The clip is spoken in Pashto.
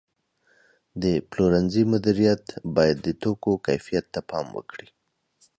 د پلورنځي مدیریت باید د توکو کیفیت ته پام وکړي.